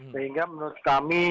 sehingga menurut kami